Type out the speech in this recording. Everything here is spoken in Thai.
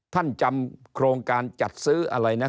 ท่านจำโครงการจัดซื้ออะไรนะ